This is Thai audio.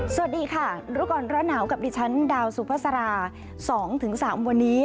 สวัสดีค่ะรู้ก่อนร้อนหนาวกับดิฉันดาวสุภาษา๒๓วันนี้